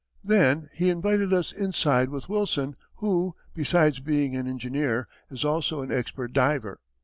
Then he invited us inside with Wilson, who, besides being an engineer, is also an expert diver.